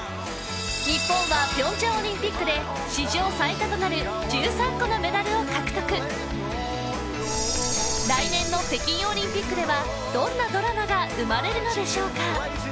日本は平昌オリンピックで史上最多となる１３個のメダルを獲得来年の北京オリンピックではどんなドラマが生まれるのでしょうか？